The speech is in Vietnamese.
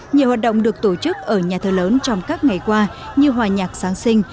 nhiều hoạt động được tổ chức ở nhà thờ lớn trong các ngày qua như hòa nhạc giáng sinh